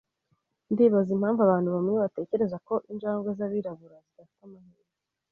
Ndibaza impamvu abantu bamwe batekereza ko injangwe zabirabura zidafite amahirwe.